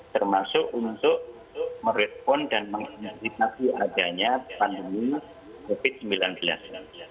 termasuk untuk merespon dan mengantisipasi adanya pandemi covid sembilan belas ini